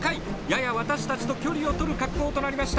やや私たちと距離をとる格好となりました。